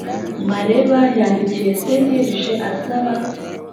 mareba yandikiye cnlg asaba